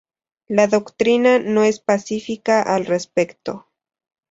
La doctrina no es pacífica al respecto.